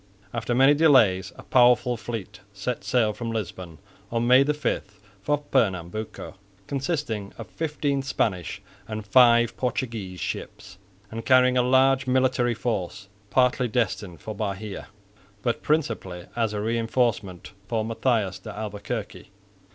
After many delays a powerful fleet set sail from Lisbon on May 5 for Pernambuco, consisting of fifteen Spanish and five Portuguese ships and carrying a large military force, partly destined for Bahia, but principally as a reinforcement for Matthias de Albuquerque.